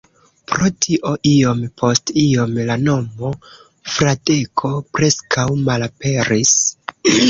Pro tio iom post iom la nomo Fradeko preskaŭ malaperis.